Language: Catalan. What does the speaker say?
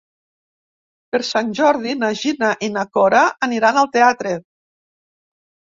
Per Sant Jordi na Gina i na Cora aniran al teatre.